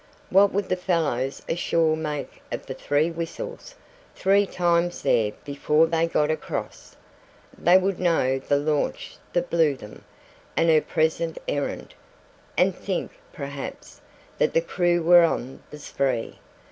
What would the fellows ashore make of the three whistles three times there before they got across? They would know the launch that blew them, and her present errand, and think, perhaps, that the crew were on the spree.